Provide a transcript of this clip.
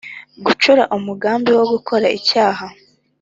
Gucura umugambi wo gukora icyaha